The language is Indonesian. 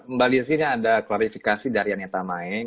mbak lizzy ini ada klarifikasi dari aneta maeng